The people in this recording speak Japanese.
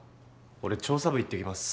俺調査部行ってきます。